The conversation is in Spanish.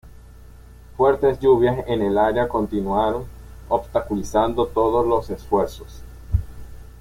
Las fuertes lluvias en el área continuaron obstaculizando todos los esfuerzos.